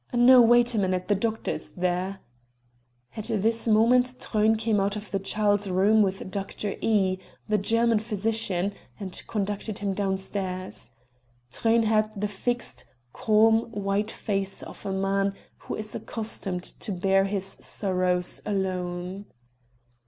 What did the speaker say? "No, wait a minute the doctor is there." At this moment Truyn came out of the child's room with Dr. E the German physician, and conducted him down stairs. Truyn had the fixed, calm, white face of a man who is accustomed to bear his sorrows alone.